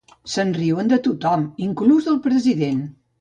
Se'n riuen de tothom, inclús del president.